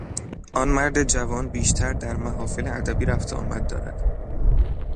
آن مرد جوان بیشتر در محافل ادبی رفت و آمد دارد.